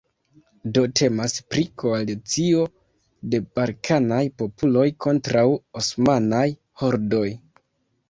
Do temas pri koalicio de balkanaj popoloj kontraŭ osmanaj hordoj.